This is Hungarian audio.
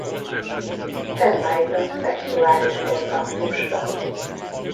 Nem vágynak szexuális kontaktusra.